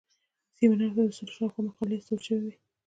سیمینار ته د سلو شاوخوا مقالې استول شوې وې.